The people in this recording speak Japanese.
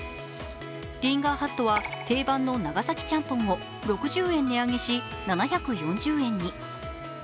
リンガーハットは定番の長崎ちゃんぽんを６０円値上げし７４０円に。